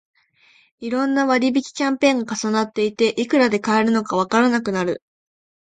いろんな割引キャンペーンが重なっていて、いくらで買えるのかわからなくなる